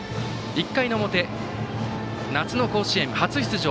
１回の表、夏の甲子園初出場